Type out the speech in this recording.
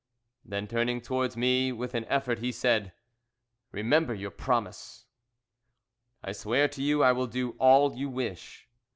Then turning towards me with an effort he said, "Remember your promise!" "I swear to you I will do all you wish."